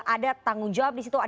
ada tanggung jawab di situ